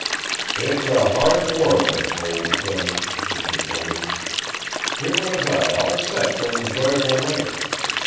"It's a hard world, old thing," he complained. "Here was I all set for an enjoyable winter.